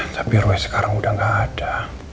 tapi roy sekarang udah gak ada